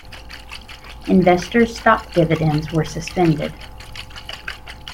Investors stock dividends were suspended.